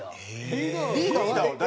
リーダーは誰？